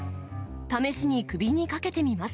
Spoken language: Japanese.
試しに首にかけてみます。